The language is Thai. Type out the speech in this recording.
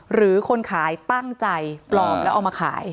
หรือคนขายตั้งใจปลอมแล้วเอามาขาย